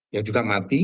yang juga mati